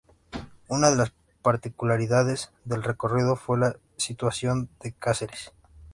Una de las particularidades del recorrido fue la situación de Cáceres.